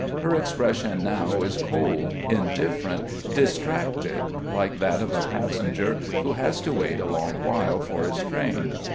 Her expression now is cold, indifferent, distracted, like that of a passenger who has to wait a long while for his train.